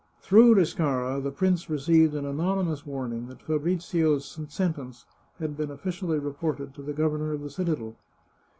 Through Riscara, the prince received an anonymous warning that Fabrizio's sen tence had been officially reported to the governor of the citadel.